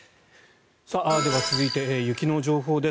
では、続いて雪の情報です。